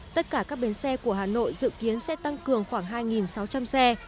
tất cả các bến xe của hà nội dự kiến sẽ tăng cường khoảng hai sáu trăm linh xe